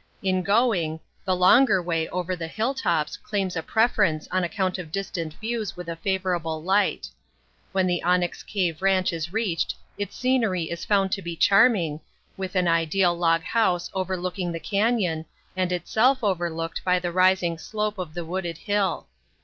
In going, the longer way, over the hill tops, claims a preference on account of distant views with a favorable light. When the Onyx Cave Ranch is reached its scenery is found to be charming, with an ideal log house overlooking the cañon, and itself overlooked by the rising slope of the wooded hill.